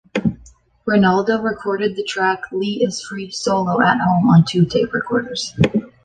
Ranaldo recorded the track "Lee Is Free" solo at home on two tape recorders.